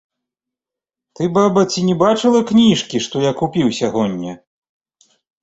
Ты, баба, ці не бачыла кніжкі, што я купіў сягоння?